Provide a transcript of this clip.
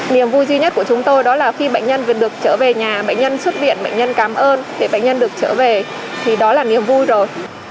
thôi đó là khi bệnh nhân được trở về nhà bệnh nhân xuất viện bệnh nhân cảm ơn để bệnh nhân được trở về thì đó là niềm vui rồi